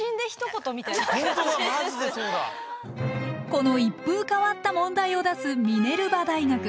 この一風変わった問題を出すミネルバ大学。